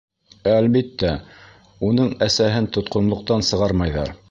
Әлбиттә, уның әсәһен тотҡонлоҡтан сығармайҙар.